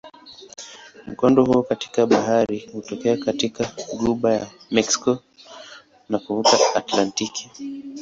Mkondo huu katika bahari hutokea katika ghuba ya Meksiko na kuvuka Atlantiki.